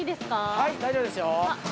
はい、大丈夫ですよ。